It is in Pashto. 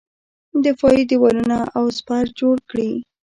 دفاعي دېوالونه او سپر جوړ کړي.